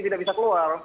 tidak bisa keluar